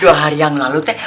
dua hari yang lalu teh